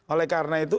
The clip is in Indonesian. oleh karena itu